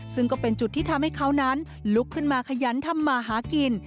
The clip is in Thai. ซึ่งก็เป็นจุดที่ทำให้เขานั้นลุกขึ้นมาขยันทำมาหากิน